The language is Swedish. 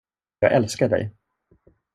Jag älskar dig!